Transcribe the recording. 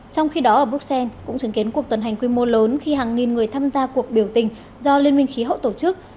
trong khi đó ở bruxelles cũng chứng kiến cuộc tuần hành quy mô lớn khi hàng nghìn người tham gia cuộc biểu tình do liên minh khí hậu tổ chức